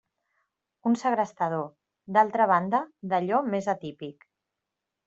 Un segrestador, d’altra banda, d’allò més atípic.